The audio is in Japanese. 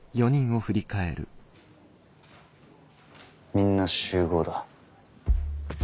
みんな集合だ。